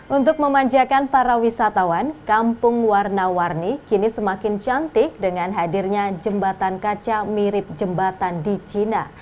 untuk memanjakan para wisatawan kampung warna warni kini semakin cantik dengan hadirnya jembatan kaca mirip jembatan di cina